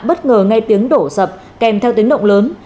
bất ngờ ngay tiếng đổ sập kèm theo tiếng động lớn